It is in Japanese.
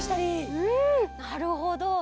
うんなるほど。